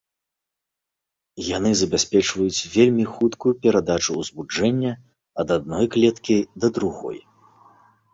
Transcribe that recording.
Яны забяспечваюць вельмі хуткую перадачу ўзбуджэння ад адной клеткі да другой.